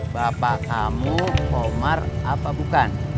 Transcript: bapak kamu komar apa bukan